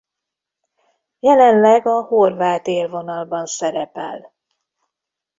Jelenleg a horvát élvonalban szerepel.